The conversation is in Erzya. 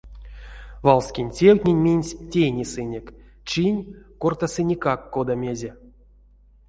Валскень тевтнень минсь тейнесынек, чинь — кортасынеккак кода-мезе.